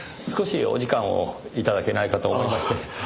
少しお時間を頂けないかと思いまして。